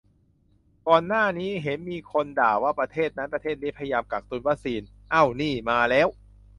ก่อนหน้านี้เห็นมีคนด่าว่าประเทศนั้นประเทศนี้พยายามกักตุนวัคซีน เอ้า นี่ มาแล้ว